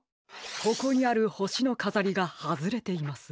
ここにあるほしのかざりがはずれています。